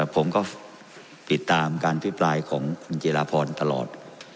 ผมก็ติดตามการพิปรายของคุณจิราพรตลอด